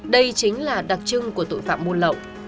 đây chính là đặc trưng của tội phạm buôn lậu